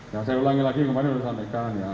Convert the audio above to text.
ya saya ulangi lagi kemarin sudah sampaikan ya